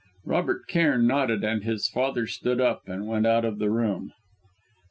Robert Cairn nodded, and his father stood up, and went out of the room.